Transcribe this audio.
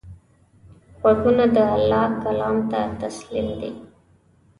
غوږونه د الله کلام ته تسلیم دي